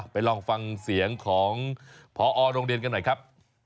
ไปลองฟังเสียงของพอโรงเรียนกันหน่อยครับ